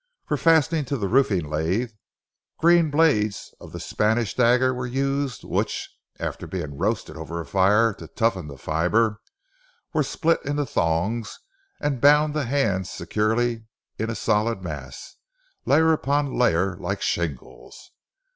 For fastening to the roofing lath, green blades of the Spanish dagger were used, which, after being roasted over a fire to toughen the fibre, were split into thongs and bound the hands securely in a solid mass, layer upon layer like shingles.